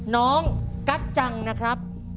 น้องกัจจังนะครับ